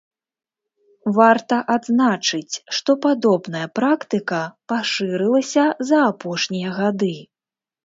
Варта адзначыць, што падобная практыка пашырылася за апошнія гады.